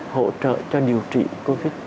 hỗ trợ cho điều trị covid